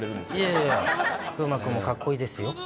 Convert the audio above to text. いやいや、風磨君もかっこいいですよ。